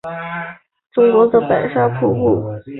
可在中横公路白沙桥附近远观白沙瀑布。